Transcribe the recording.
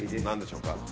何でしょうか？